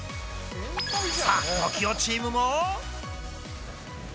さあ、ＴＯＫＩＯチームも。